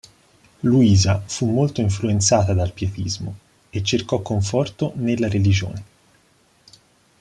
Luisa fu molto influenzata dal Pietismo e cercò conforto nella religione.